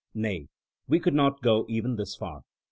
Nay, we could not go even this far.